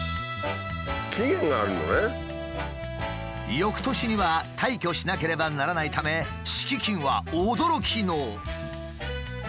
翌年には退去しなければならないため敷金は驚きの。